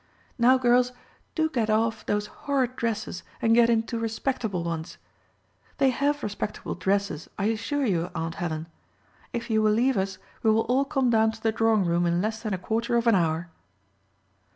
—Now, girls, do get off those horrid dresses and get into respectable ones.—They have respectable dresses, I assure you, Aunt Helen. If you will leave us, we will all come down to the drawing room in less than a quarter of an hour."